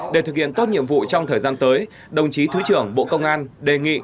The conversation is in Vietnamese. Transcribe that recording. để thực hiện tốt nhiệm vụ trong thời gian tới đồng chí thứ trưởng bộ công an đề nghị